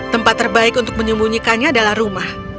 tempat terbaik untuk menyembunyikannya adalah rumah